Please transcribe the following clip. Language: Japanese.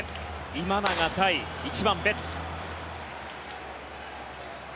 今永対１番、ベッツ。